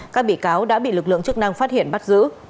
các bị cáo đã bị lực lượng chức năng phát hiện bắt giữ